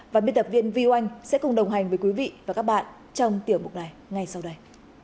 và biên tập viên vi oanh sẽ cùng đồng hành với quý vị và các bạn trong tiểu mục này ngay sau đây